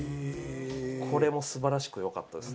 これも素晴らしく良かったです。